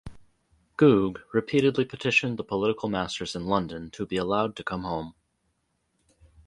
Googe repeatedly petitioned the political masters in London to be allowed to come home.